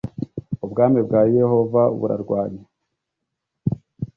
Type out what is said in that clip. Ubwami bwa Yehova burarwanywa